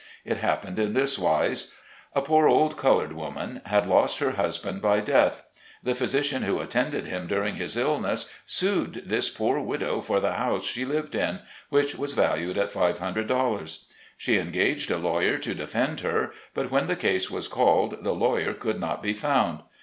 It happened in this wise: A poor old colored woman had lost her husband by death. The physician who attended him during his illness, sued this poor widow for the house she lived in — which was valued at five hundred dollars. She engaged a lawyer to defend her, but when the case was called the lawyer could not be found.